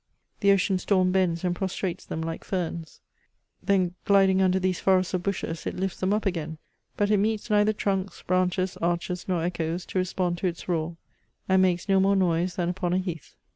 The ocean storm bends and pros trates them, like ferns ; then, gliding under these forests of bushes, it lifts them up again,.but it meets neitlier trunks, branches, arches, nor echoes to respond to its roar, and makes no more noise than upon a heath.